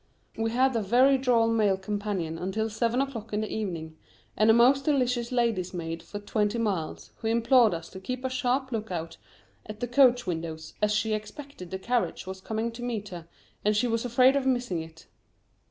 We had a very droll male companion until seven o'clock in the evening, and a most delicious lady's maid for twenty miles, who implored us to keep a sharp look out at the coach windows, as she expected the carriage was coming to meet her and she was afraid of missing it.